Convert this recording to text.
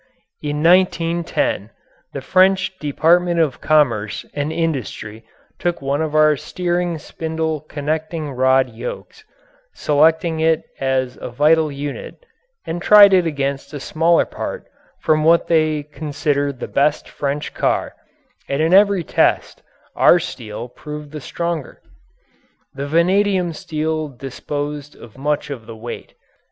In 1910 the French Department of Commerce and Industry took one of our steering spindle connecting rod yokes selecting it as a vital unit and tried it against a similar part from what they considered the best French car, and in every test our steel proved the stronger. The vanadium steel disposed of much of the weight.